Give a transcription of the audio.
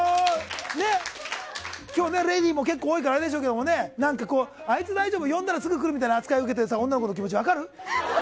今日、レディーも結構多いからあれでしょうけどあいつ大丈夫呼んだらすぐ来るみたいな扱いを受けてる女の子の気持ち分かる？